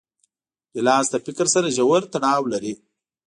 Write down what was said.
ګیلاس له فکر سره ژور تړاو لري.